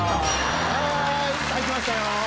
はい来ましたよ